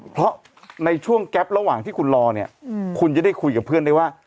เพราะในช่วงแก๊ประหว่างที่คุณรอเนี่ยคุณจะได้คุยกับเพื่อนได้ว่า